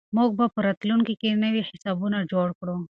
موږ به په راتلونکي کې نوي حسابونه جوړ کړو.